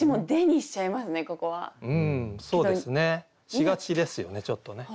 しがちですよねちょっとね。